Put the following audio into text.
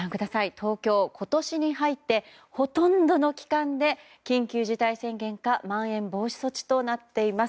東京は今年に入ってほとんどの期間で緊急事態宣言かまん延防止措置となっています。